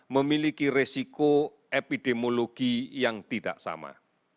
memiliki resiko epidemiologi yang tidak sama